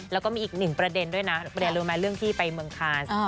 แล้วก็มีอีกหนึ่งประเด็นด้วยนะประเด็นรู้ไหมเรื่องที่ไปเมืองคาน